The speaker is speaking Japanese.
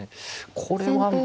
これはもう。